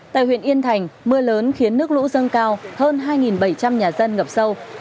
tại huyện yên thành mưa lớn khiến nước lũ dâng cao hơn hai bảy trăm linh nhà dân ngập sâu